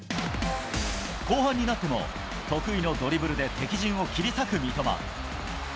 後半になっても、得意のドリブルで敵陣を切り裂く三笘。